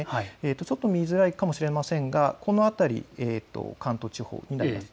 ちょっと見づらいかもしれませんがこの辺り、関東地方になります。